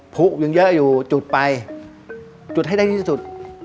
ผู้ยังเยอะอยู่จุดไปจุดให้ได้ที่สุด